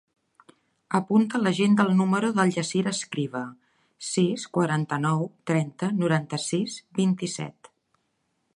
Apunta a l'agenda el número del Yassir Escriva: sis, quaranta-nou, trenta, noranta-sis, vint-i-set.